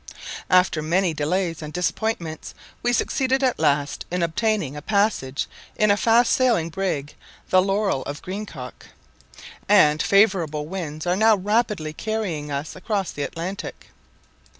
After many delays and disappointments, we succeeded at last in obtaining a passage in a fast sailing brig, the Laurel, of Greenock; and favourable winds are now rapidly carrying us across the Atlantic.